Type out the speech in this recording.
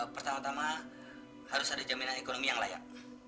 pertama tama harus ada jaminan ekonomi yang layak